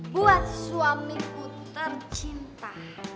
buat suamiku tercinta